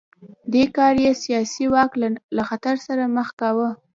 دې کار یې سیاسي واک له خطر سره مخ کاوه.